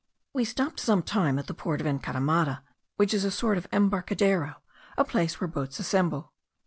We stopped some time at the port of Encaramada, which is a sort of embarcadero, a place where boats assemble.